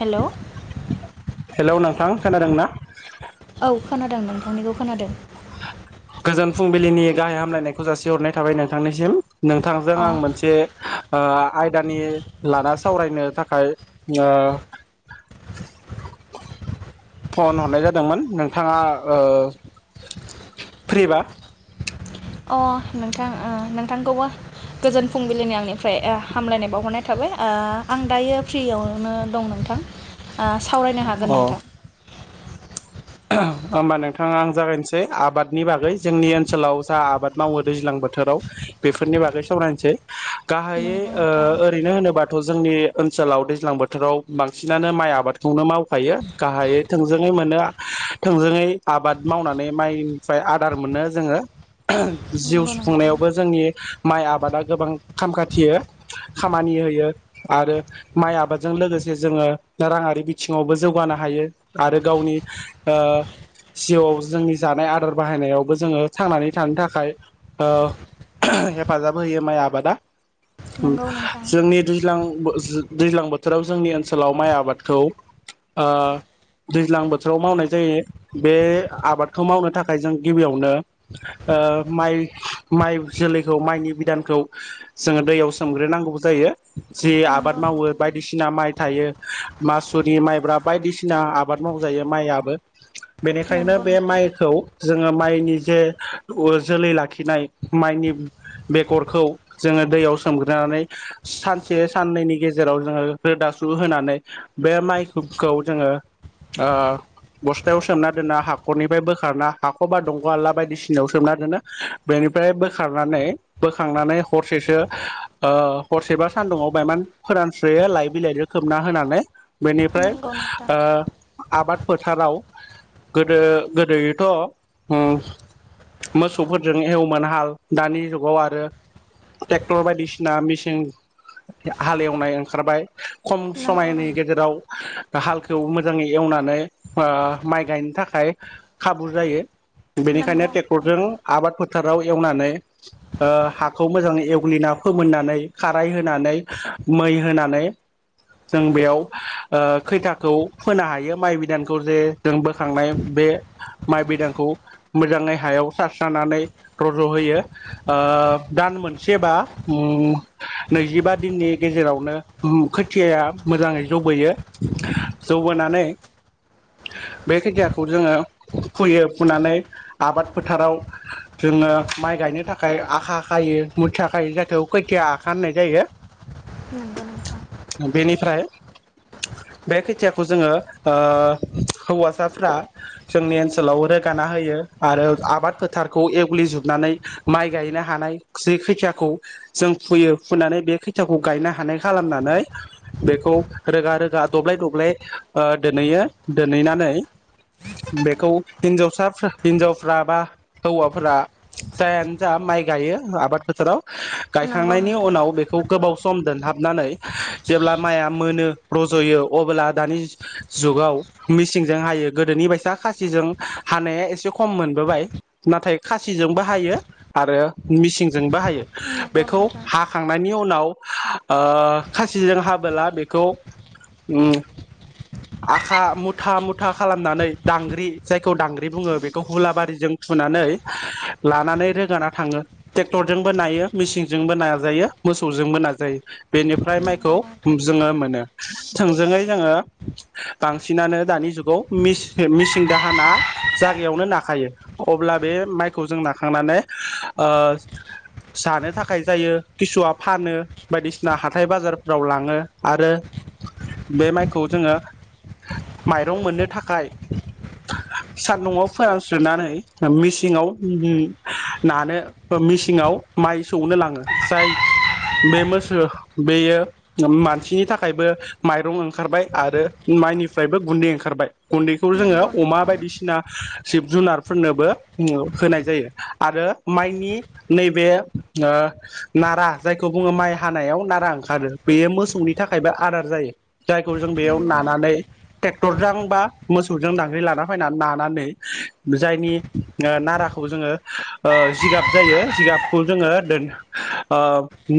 हेल hello नोंथां खोनादों ना? औ खोनादों नोंथांनिखौ खोनादों गोजोन फुंबिलिनि गाहाय हामगलायनायखौ जासिहरनाय थाबाय नोंथांनिसिम नोंथांजों अ आं मोनसे आ आयदानि लाना सावरायनो थाखाय आ फन हरनाय जादोंमोन नोंथाङा ओ फ्रिबा अ नोंथां उम नोंथांखौबो गोजोन फुंबिलिनि आंनि फ्राय हामलायनाय बावहरनाय थाबाय आ आं दायो फ्रियावनो दं नोंथां आ सावरायनो हागोन नोंथां ओम होमबा नोंथां आं जागायनोसै आबादनि बागै जोंनि ओनसोलाव जा आबाद मावो दैज्लां बोथोराव बेफोरनि बागै सावरायनोसै गाहायै नंगौ ओ नोंथां ओरैनो होनोबाथ जोंनि ओनसोलाव दैज्लां बोथोराव बांसिनानो माइ आबादखौनो मावखायो गाहायै थोंजोङै मोनो थोंजोङै आबाद मावनानै माइनिफ्राय आदार मोनो जोङो ओम जिउ नंगौ नोंथां सुफुंनायावबो जोंनि माइ आबादा गोबां खाम खाथियो खामानि होयो आरो माइ आबादजों लोगोसे जोङो राङारि बिथिङावबो जौगानो हायो आरो गावनि ओ सिगांङाव जोंनि जानाय आदार बाहायनायावबो जोङो थांनानै थानो थाखाय ओ ओम हेफाजाब होयो माइ आबादा उम नंगौ नोंथां जोंनि दैज्लां दैज्लां बोथोराव जोंनि ओनसोलाव माइ आबादखौ आ दैज्लां बो थोराव मावनाय जायो बे आबादखौ मावनो थाखाय जों गिबियावनो ओ माइ माइ जोलैखौ माइनि बिदानखौ जोङो दैयाव सोमग्रोनांगौ जायो जि आबाद नंगौ मावो बायदिसि ना माइ थायो मासुरि माइब्रा बायदिसिना आबाद मावो। दायो माइयाबो बेनिखायनो बे नोंथां माइखौ जोङो माइनि जे जोलै लाखिनाय माइनि बेगरखौ जोङो दैयाव सोमग्रोनानै सानसे साननैनि गेजेराव जोङो रोदासुहो होनानै बे माइखौ जोङो ओ बस्थायाव सोमना दोनना हाखरनिफ्राय बोखारना हाखरबा दंग आलला बायदिसिनायाव सोमना दोनो बेनिफ्राय बोखारनानै बोखांनानै हरसेसो ओ हरसे बा सान्दुुंङाव बायमान फोरानस्रोयो लाइ बिलाइजों खोबना होनानै बेनिफ्राय नंगौ नोंथां नंगौ नोंथां आ आबाद फोथाराव गोदो गोदोयोथ ओम मोसौफोरजों एवोमोन हाल दानि जुगाव आरो ट्रेक्टर बायदिसिना मेसिन हालेएवनाय ओंखारबाय खम नंगौ समायनि नोंथां गेजेराव हालखौ मोजाङै। एवनानै ओ माइ गायनो थाखाय खाबु जायो बेनिखायनो नंगौ नोंथां ट्रेक्टरजों। आबाद फोथाराव एवनानै ओ हाखौ मोजाङै एवग्लिना फोमोननानै खाराय होनानै मै होनानै जों बेयाव ओ खैथाखौ फोनो हायो माइ बिदानखौ जे जों बोखांनाय बे माइ बिदानखौ मोजाङै हायाव सारस्रनानै रज होयो ओ दान मोनसेबा उम नैजिबा दिननि गेजेरावनो उम खोथियाया मोजाङै जौबोयो जौबोनानै बे खोथियाखौ जोङो फुयो फुनानै आबाद फोथाराव जोङो माइ गायनो थाखाय आखा खायो मुथिया खायो जायखौ खैथिया आखा होननाय जायो। नंगौ नोंथां। बेनिफ्राय बे खोथियाखौ जोङो ओ हौवासाफ्रा जोंनि ओनसोलाव रोगाना होयो आरो आबाद फोथारखौ एवग्लिजोबनानै माइ गायनो हानाय जि खैथियाखौ जों फुयो फुनानै बे खैथियाखौ गायनो हानाय खालामनानै रोगा रोगा दब्लाइ दब्लाइ ओ दोनहैयो दोनहैनानै बेखौ हिनजावसा हिनजावफ्रा बा हौवाफोरा जायानो जा माइ गायो आबाद फोथाराव नंगौ गायखांनायनि नोंथां उनाव बेखौ गोबाव सम दोनहाबनानै जेब्ला माइआ मोनो रजयो अब्ला दानि जुगाव मिसिंजों हायो गोदोनि बायसा खासिजों हानाया एसे खम मोनबोबाय नाथाय खासिजोंबो हायो आरो मिसिंजों बो हायो। नंगौ बेखौ नोंथां हाखांनायनि उनाव उनाव ओ खासिजों हाबोला बेखौ। आखा मुथा मुथा खालामनानै दांग्रि जायखौ दांग्रि बुङो बेखौ हुलाबारिजों थुनानै लानानै रोगाना थाङो ट्रेक्टरजोंबो नायो मेसिनजोंबो नाजायो मोसौजोंबो नाजायो बेनिफ्राय ओमफ्राय नंगौ मायखौ नोंथां जोङो मोनो। थोंजोङै जोङो। बांसिनानो दानि जुगाव मिसे मिसिंदो हाना जायगायावनो नाखायो अब्ला बे मायखौ जों नाखांनानै ओ जानो थाखाय जायो किसुआ फानो बायदिसिना हाथाय बाजारफोराव लाङो आरो बे माय खौ जोङो माइरं मोननो थाखाय सान्दुंआव फोरानस्र्रोनानै मिसिङाव नानो मिसिङाव माय सौनो लाङो जाय बे मोसो बेयो मानसिनि थाखायबो माइरं ओंखारबाय आरो मायनिफ्रायबो गुन्दै ओंखारबाय गुन्दै बेखौ जोङो नंगौ नोंथां अमा बायदिसिना जिब जुनारफोरनोबो जोङो होनाय जायो आरो माइनि नैबे ओ नारा जायखौ बुङो माइ हानायाव नारा ओंखारो बेयो मोसौनि थाखायबो आदार जायो जाय खौ जों बेयाव नंगौ नानानै। नोंथां ट्रेक्टरजों बा मोसौजों दांग्रि लाना फैनानै नानानै जायनि ओ नाराखौ जोङो ओ जिगाब जायो जिगाबखौ जोङो दोन ओ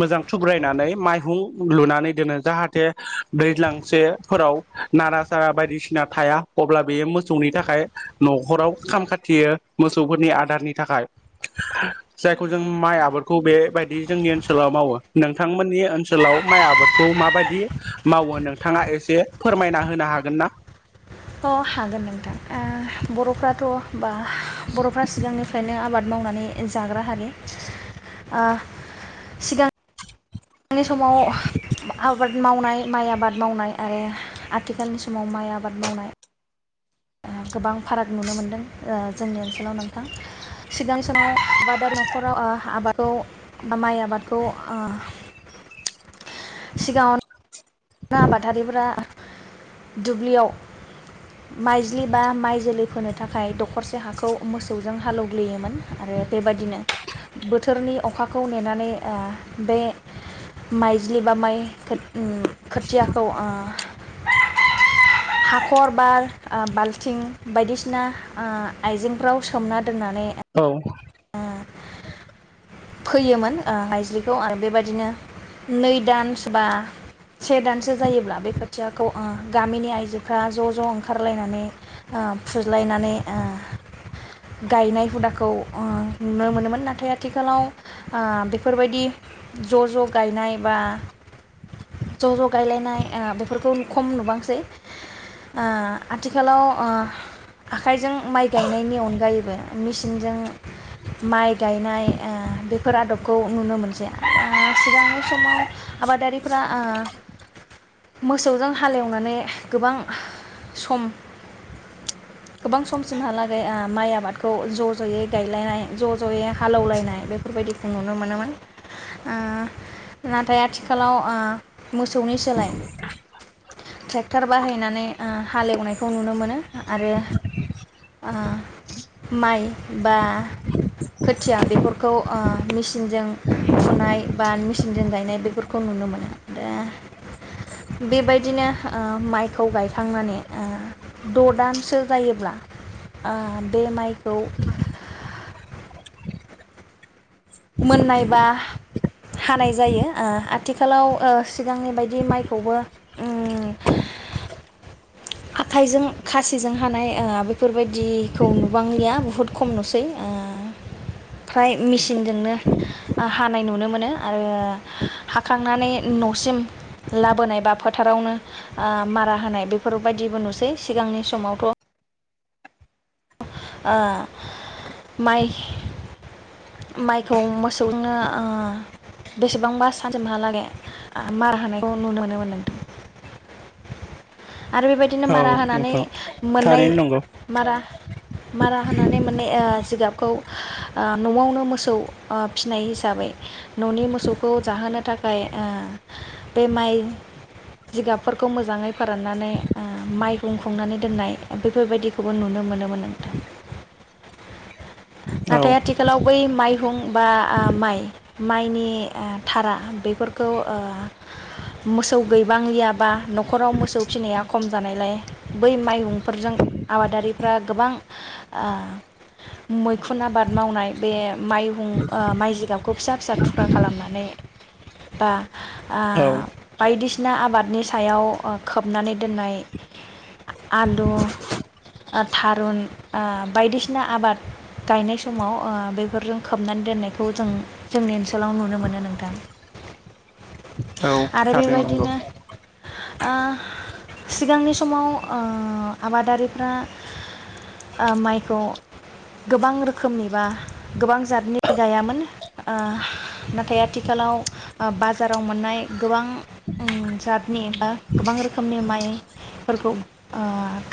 मोजां थुब्रायनानै माइहुं लुनानै दोनो जाहाथे दैज्लां सेफोराव नारा सारा बायदिसिना थाया अब्ला बेयो मोसौनि थाखाय न'खराव खाम खाथियो मोसौफोरनि आदारनि थाखाय जायखौ जों नंगौ माय नोंथां आबादखौ बेबायायदि जोंनि ओनसोलाव मावो नोंथांमोननि ओनसोलाव माय आबादखौ माबायदि मावो नों नोंथाङा एसे फोरमायना होनो हागोन ना। अ हागोन नोंथां ओ बर'फोराथ बा बर'फ्रा सिगांनिफ्रायनो आबाद मावनानै जाग्रा हारि ओ सिगां नि समाव आबाद मावनाय माइ आबाद मावनाय आरो आथिखालनि समाव माइ आबाद मावनाय। ओ गोबां फाराग नुनो मोनदों ओ जोंनि ओनसोलाव नोंथां सिगां समाव [unintelligible] न'खराव ओ आबादखौ बा माइ आबादखौ ओ सिगाङावन [inaudible] दुब्लियाव माइज्लि बा माइ जोलै फोनो थाखाय दखरसे हाखौ मोसौजों हालौग्लियोमोन। आरो बेबादिनो बोथोरनि अखाखौ नेनानै ओ बे माइज्लि बा माइ [unintelligible] खोथियाखौ ओ हाखर बाल ओ बालथिं बायदिसिना ओ आइजेंफोराव सोमना दोननानै औ फैयोमोन ओ मायज्लिखौ आरो बेबायदिनो नै दानस बा से दानसो जायोब्ला बे खोथियाखौ ओ गामिनि आइजोफ्रा ज' ज' ओंखारलायनानै ओ फुज्लायनानै ओ गायनाय हुदाखौ ओ नुनो मोनोमोन नाथाय आथिखालाव ओ बेफोरबायदि ज' ज' गायनाय बा ज' ज' गायलायनाय ओ बेफोरखौ खम नुबांसै ओ आथिखालाव ओ आखायजों माइ गायनायनि अनगायैबो मिसिनजों माइ गायनाय ओ बेफोर आदबखौ नुनो मोनसै ओ सिगांनि समाव आबादारिफोरा ओ मोसौजों हालेवनानै गोबां सम गोबां समसिमहालागै ओ माइ आबादखौ ज' जयै गायलायनाय ज' जयै हालेवलायनाय बे बेफोरबायदिखौ नुनो मोनोमोन ओ नाथाय आथिखालाव ओ मोसौनि सोलाय थ्रेक्टर बाहायनानै ओ हालेवनायखौ नुनो मोनो आरो ओ माइ बा खोथिया बेफोरखौ ओ मिसिनजों फुनाय बा मिसिनजों गायनाय बेफोरखौ नुनो मोनो दा बेबायदिनो ओ माइखौ गायखांनानै ओ द' दानसो जायोब्ला ओ बे माइखौ मोननाय बा हानाय जायो ओ आथिखालाव ओ सिगांनि बायदि माइखौबो ओम हाथाइजों खासिजों हानाय ओ बेफोरबायदिखौ नुबांलिया बुहुद खम नुसै ओ फ्राय मिसिनजोंनो ओ हानाय नुनो मोनो आरो हाखांनानै नसेम लाबोनाय बा फोथारावनो ओ मारा होनाय बेफोर बायदिबो नुसै सिगांनि समावथ' ओ माइ माइखौ मोसौनो ओ बेसेबांबा सानसिमहालागै ओ मार होनायखौ नुनो मोनो मोनोमोन नोंथां। आरो बेबायदिनो औ मारा होनानै नोंथां मोननाय थारैनो नंगौ मारा मारा होनानै मोननाय ओ जिगाब खौ ओ न'आवनो मोसौ ओ फिनाय हिसाबै न'नि मोसौखौ जाहोनो थाखाय ओ बे माइ जिगाबफोरखौ मोजाङै फोराननानै ओ माइहुं हुंनानै दोननाय बेफोरबायदिखौबो नुनो मोनोमोन नोंथां। औ नाथाय आथिखालाव बै माइहुं बा ओ माइ माइनि ओ थारा बेफोरखौ ओ मोसौ गैबांलिया बा नख'राव मोसौ सौ फिनाया खम जानायलाय बै माइहुंफोरजों आबादारिफ्रा गोबां ओ मैखुन आबाद मावनाय बे माइहुं माइ जिगाबखौ फिसा फिसा थुख्रा खालामनानै बा ओ औ बायदिसिना आबादनि सायाव ओ। खोबनानै दोननाय आलु ओ थारुन ओ बायदिसिना आबाद गायनाय समाव ओ बेफोरजों खोबनानै दोननायखौ जों जोंनि ओनसोलाव नुनो मोनो नोंथां। औ आरो थारैनो नंगौ बेबायदिनो ओ सिगांनि समाव ओ आबादारिफ्रा ओ माइखौ गोबां रोखोमनि बा गोबां जातनि गायामोन ओ नाथाय आथिखालाव बाजाराव मोननाय गोबां उम जातनि बा गोबां रोखोमनि माइ फोरखौ ओ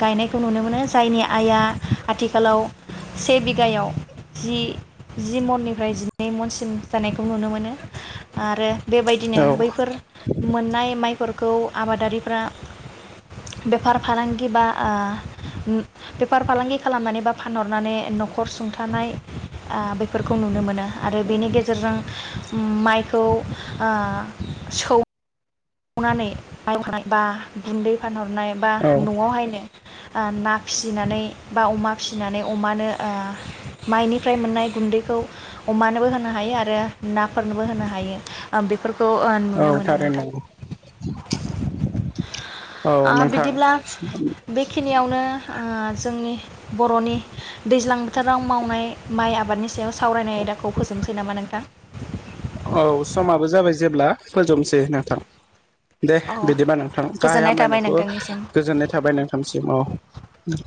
गायनायखौ नुनो मोनो जायनि आयआ आथिखालाव से बिघायाव जि जि मननिफ्राय जिनै मनसिम जानायखौ नुनो मोनो आरो बेबायदिनो औ बैफोर मोननाय माइफोरखौ आबादारिफ्रा बेफार फालांगि बा ओ उम बेफार फालांगि खालामनानै बा फानहरनानै न'खर सुंथानाय ओ बेफोरखौ नुनो मोनो आरो बेनि गेजेरजों उम माइखौ ओ सौ [unintelligible] नानै माइ [unintelligible] बा गुन्दै फानहरनाय बा औ न'आवहायनो ओ ना फिसिनानै बा अमा फिसिनानै अमानो ओ माइनिफ्राय मोननाय गुन्दैखौ अमानोबो होनो हायो आरो नाफोरनोबो होनो हायो ओ बेफोरखौ खौ ओ औ नुनो मोनो थारैनो नोंथां। नंगौ औ ओ नोंथां बिदिब्ला बेखिनियावनो ओ जों नि बर'नि दैज्लां बोथोराव मावनाय माइ आबादनि सायाव सावरायनाय आयदाखौ फोजोबनोसै नामा नोंथां? औ समाबो जाबाय जेब्ला फोजोबनोसै नोंथां। दे अ बिदिबा नोंथां गाहाय गोजोननाय थाबाय हामलायनायखौ नोंथांनिसिम गोजोननाय थाबाय नोंथांसिम औ। द